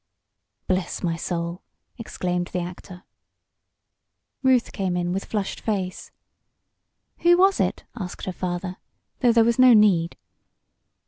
"Bless my soul!" exclaimed the actor. Ruth came in with flushed face. "Who was it?" asked her father, though there was no need.